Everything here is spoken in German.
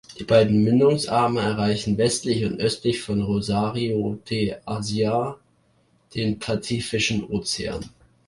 Die beiden Mündungsarme erreichen westlich und östlich von Rosario de Asia den Pazifischen Ozean.